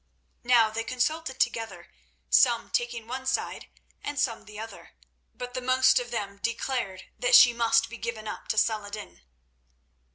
Now they consulted together, some taking one side and some the other, but the most of them declared that she must be given up to Saladin.